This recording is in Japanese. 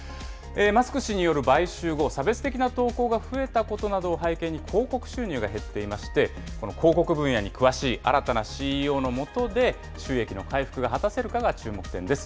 マスク氏による買収後、差別的な投稿が増えたことなどを背景に、広告収入が減っていまして、この広告分野に詳しい新たなＣＥＯの下で収益の回復が果たせるかが、注目点です。